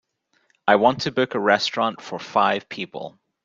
I want to book a restaurant for five people.